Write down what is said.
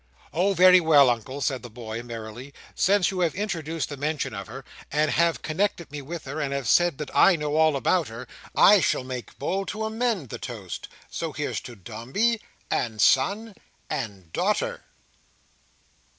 "Oh, very well, Uncle," said the boy, merrily. "Since you have introduced the mention of her, and have connected me with her and have said that I know all about her, I shall make bold to amend the toast. So here's to Dombey—and Son—and Daughter!"